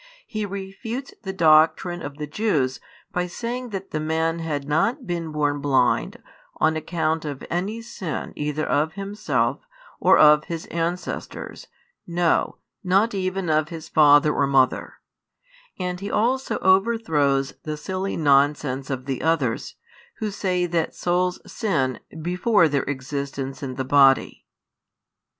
He refutes the doctrine of the Jews by saying that the man had not been born blind on account of any sin either of himself or of his ancestors, no, not even of his father or mother; and he also overthrows the silly nonsense of the others, who say that souls sin before their existence in the body.